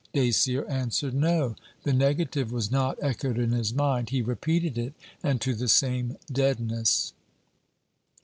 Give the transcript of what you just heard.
Dacier answered no. The negative was not echoed in his mind. He repeated it, and to the same deadness.